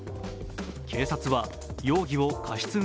警察は容疑を過失